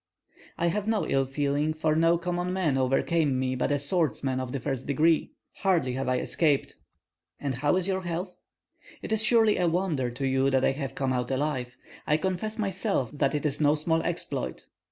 "I have no ill feeling; for no common man overcame me, but a swordsman of the first degree. Hardly have I escaped." "And how is your health?" "It is surely a wonder to you that I have come out alive. I confess myself that it is no small exploit."